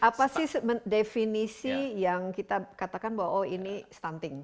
apa sih definisi yang kita katakan bahwa oh ini stunting